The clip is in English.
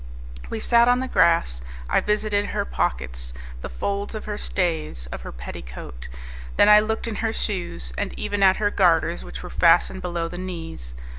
We sat on the grass, I visited her pockets, the folds of her stays, of her petticoat; then I looked in her shoes, and even at her garters which were fastened below the knees.